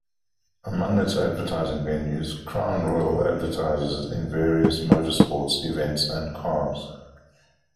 Among its advertising venues, Crown Royal advertises in various motor sports events and cars.